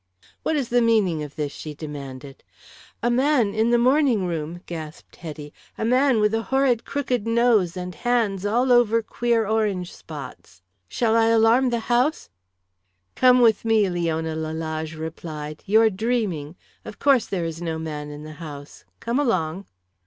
"What is the meaning of this?" she demanded. "A man in the morning room," gasped Hetty. "A man with a horrid crooked nose and hands all over queer orange spots. Shall I alarm the house " "Come with me," Leona Lalage replied. "You are dreaming. Of course, there is no man in the house. Come along."